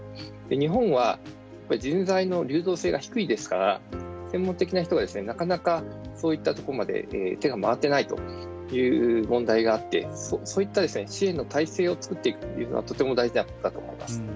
日本は人材の流動性が低いですから専門的な人がなかなかそういったとこまで手が回ってないという問題があってそういった支援の体制を作っていくというのはとても大事なことだと思います。